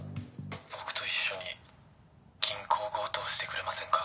僕と一緒に銀行強盗してくれませんか？